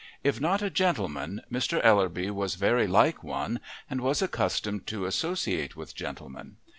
If not a gentleman, Mr. Ellerby was very like one and was accustomed to associate with gentlemen.